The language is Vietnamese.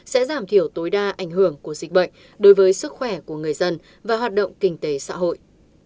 sẽ giảm thiểu tối đa ảnh hưởng của dịch bệnh đối với sức khỏe của người dân và hoạt động kinh tế xã hội